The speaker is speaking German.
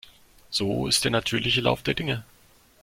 So ist der natürliche Lauf der Dinge.